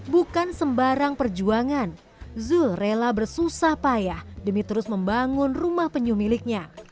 bukan sembarang perjuangan zul rela bersusah payah demi terus membangun rumah penyu miliknya